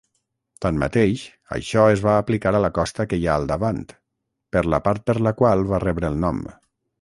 Tanmateix, això es va aplicar a la costa que hi ha al davant, per la part per la qual va rebre el nom.